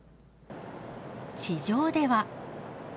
地上では。